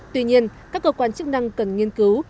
tuy nhiên các cơ quan chức năng cần nghiên cứu